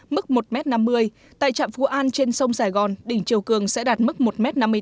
mức một năm mươi m tại trạm phú an trên sông sài gòn đỉnh chiều cường sẽ đạt mức một năm mươi bốn m